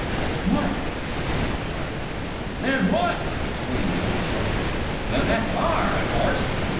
"Than what?" said the Squire. "Than what!" exclaimed the Old Settler. "Than that b'ar, o' course!